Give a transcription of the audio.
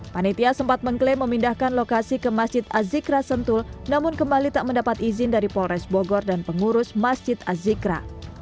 panitia sempat mengklaim memindahkan lokasi ke masjid azikra sentul namun kembali tak mendapat izin dari polres bogor dan pengurus masjid azikra